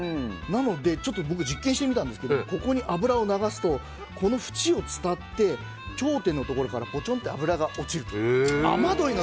なので、ちょっと僕実験してみたんですけどここに油を流すとこのふちを伝って頂点のところから油が落ちると。